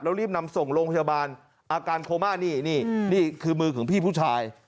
แล้วรีบนำส่งโรงพยาบาลอาการโคม่านี่นี่คือมือของพี่ผู้ชาย